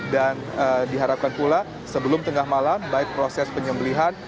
dan diharapkan pula sebelum tengah malam baik proses penyembelihan